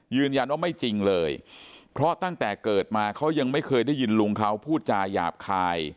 ยืนยันว่าไม่จริงเลยเพราะตั้งแต่เกิดมาเขายังไม่เคยได้ยินลุงเขาพูดจาหยาบคาย